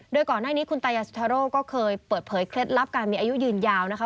โดยก่อนหน้านี้คุณตายาสุธาโร่ก็เคยเปิดเผยเคล็ดลับการมีอายุยืนยาวนะคะ